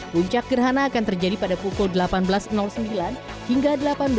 puncak gerhana akan terjadi pada pukul delapan belas sembilan hingga delapan belas